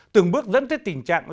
từng bước dẫn tới tình trạng